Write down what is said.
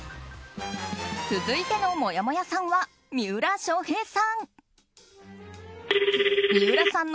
続いてのもやもやさんは三浦翔平さん。